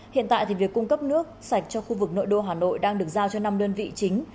hiện tại thì việc cung cấp nước sạch cho khu vực nội đô hà nội đang được giao cho năm đơn vị chính